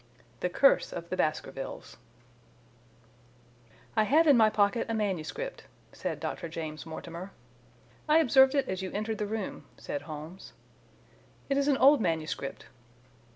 The Curse of the Baskervilles "I have in my pocket a manuscript," said Dr. James Mortimer. "I observed it as you entered the room," said Holmes. "It is an old manuscript."